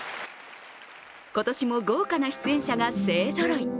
今年も豪華な出演者が勢ぞろい。